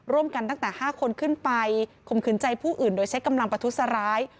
ตั้งแต่๕คนขึ้นไปข่มขืนใจผู้อื่นโดยใช้กำลังประทุษร้าย